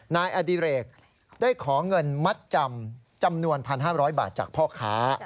นายอดิเรกได้ขอเงินมัดจำจำนวน๑๕๐๐บาทจากพ่อค้า